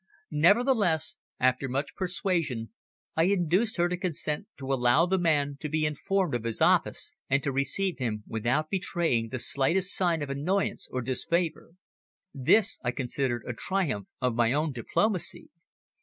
Nevertheless, after much persuasion, I induced her to consent to allow the man to be informed of his office, and to receive him without betraying the slightest sign of annoyance or disfavour. This I considered a triumph of my own diplomacy.